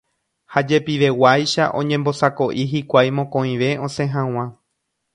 ha jepiveguáicha oñembosako'i hikuái mokõive osẽ hag̃ua